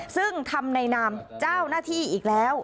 ซึ่งทำในนามเจ้าหน้าที่อีกแล้ว